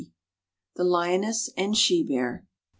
THE LIONESS AND SHE BEAR.